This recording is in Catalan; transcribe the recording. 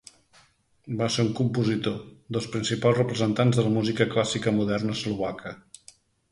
Va ser un compositor, dels principals representants de la música clàssica moderna eslovaca.